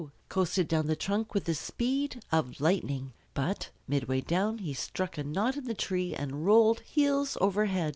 coasted down the trunk with the speed of lightning. But midway down he struck a knot in the tree and rolled heels over head.